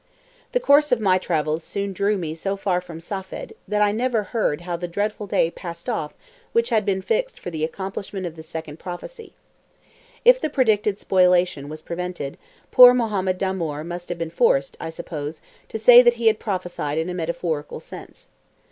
The course of my travels soon drew me so far from Safed, that I never heard how the dreadful day passed off which had been fixed for the accomplishment of the second prophecy. If the predicted spoliation was prevented, poor Mohammed Damoor must have been forced, I suppose, to say that he had prophesied in a metaphorical sense.